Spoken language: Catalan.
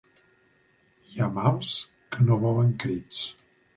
Hi ha mals que no volen crits.